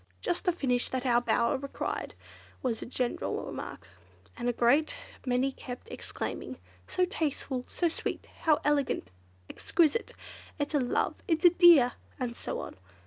"Just the finish that our bower required," was a general remark, and a great many kept exclaiming, "So tasteful!" "So sweet!" "How elegant!" "Exquisite!" "It's a love!" "It's a dear!" and so on.